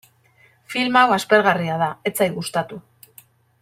Film hau aspergarria da, ez zait gustatu.